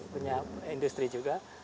punya industri juga